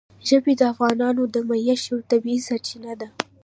ژبې د افغانانو د معیشت یوه طبیعي سرچینه ده.